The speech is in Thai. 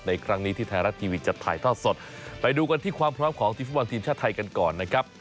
ในครั้งนี้ที่ไทยรัฐทีวีจะถ่ายทอดสดไปดูกันที่ความพร้อมของทีมฟุตบอลทีมชาติไทยกันก่อนนะครับ